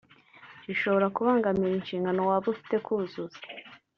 bishobora kubangamira inshingano waba ufite kuzuza”